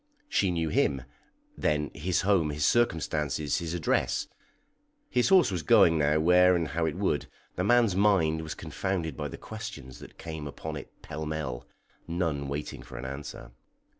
She knew him, then his home, his circumstances, his address. (His horse was going now where and how it would; the man's mind was confounded by the questions that came upon it pell mell, none waiting for an answer.)